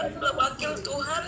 adalah wakil tuhan